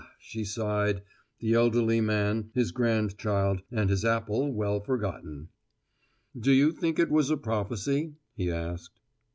she sighed, the elderly man, his grandchild, and his apple well forgotten. "Do you think it was a prophecy?" he asked.